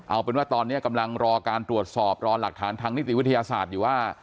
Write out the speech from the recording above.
เอาเป็นว่าตอนนี้กำลังรอการตรวจสอบรอหลักฐานทางนิติวิทยาศาสตร์อยู่ว่า